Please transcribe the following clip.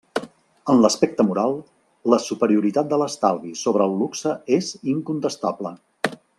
En l'aspecte moral, la superioritat de l'estalvi sobre el luxe és incontestable.